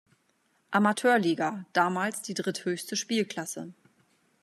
Amateurliga, damals die dritthöchste Spielklasse.